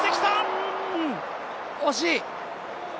惜しい！